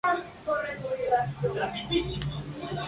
Las ceremonias de Renovación se llevaron a cabo en diciembre.